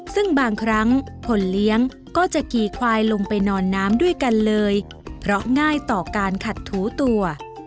ซึ่งบางครั้งคนเลี้ยงก็จะกี่ควายลงไปนอนน้ำด้วยกันเลยเพราะง่ายต่อการขัดถูตัว